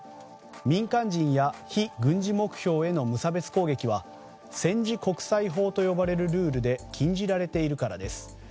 民間人や非軍事目標への無差別攻撃は戦時国際法と呼ばれルールで禁じられているからです。